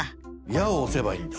「や」を押せばいいんだ。